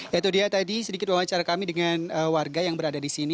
ya itu dia tadi sedikit wawancara kami dengan warga yang berada di sini